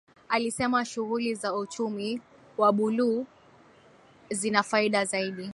Alisema shughuli za uchumi wa buluu zina faida zaidi